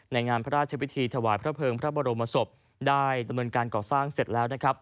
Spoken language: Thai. งานพระราชพิธีถวายพระเภิงพระบรมศพได้ดำเนินการก่อสร้างเสร็จแล้วนะครับ